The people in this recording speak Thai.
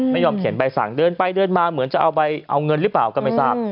ไม่ยอมเขียนใบสั่งเดินไปเดินมาเหมือนจะเอาเงินหรือเปล่าก็ไม่ทราบ